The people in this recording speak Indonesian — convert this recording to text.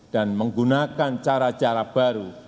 dan menggunakan cara cara baru